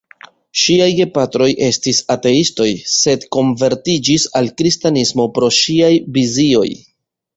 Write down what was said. Ŝiaj gepatroj estis ateistoj, sed konvertiĝis al kristanismo pro ŝiaj vizioj.